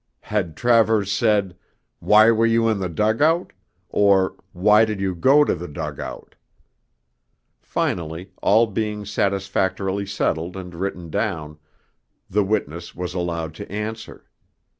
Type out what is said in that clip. Had Travers said, 'Why were you in the dug out?' or 'Why did you go to the dug out?' Finally, all being satisfactorily settled and written down, the witness was allowed to answer.